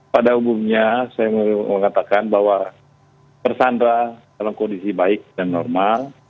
pada umumnya saya mengatakan bahwa persandra dalam kondisi baik dan normal